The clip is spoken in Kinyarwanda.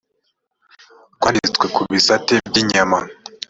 rwanditswe ku bisate by inyama